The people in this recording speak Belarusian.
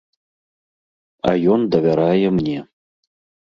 А ён давярае мне.